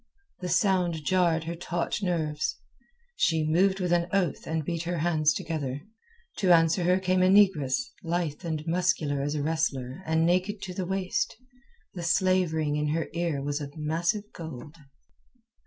The sound jarred her taut nerves. She moved with an oath and beat her hands together. To answer her came a negress, lithe and muscular as a wrestler and naked to the waist; the slave ring in her ear was of massive gold.